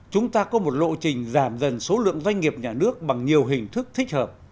chúng ta có một lộ trình giảm dần số lượng doanh nghiệp nhà nước bằng nhiều hình thức thích hợp